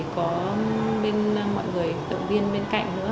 có mọi người động viên bên cạnh nữa